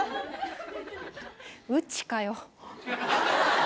うちかよ。